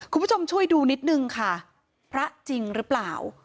คุณผู้ชมช่วยดูนิดนึงค่ะพระจริงหรือเปล่า